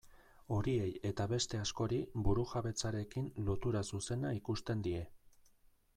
Horiei eta beste askori burujabetzarekin lotura zuzena ikusten die.